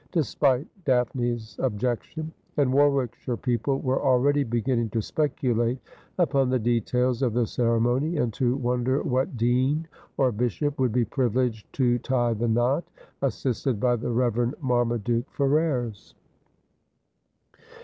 despite Daphne's objection ; and Warwickshire people were already beginning to speculate upon the details of the cere mony, and to wonder what dean or bishop would be privileged to tie the knot, assisted by the Rev. Marmaduke Ferrers.